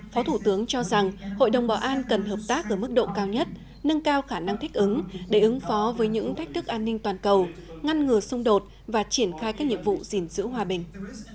phó thủ tướng cho rằng hội đồng bảo an cần hợp tác ở mức độ cao nhất nâng cao khả năng thích ứng để ứng phó với những thách thức an ninh toàn cầu ngăn ngừa xung đột và triển khai các nhiệm vụ gìn giữ hòa bình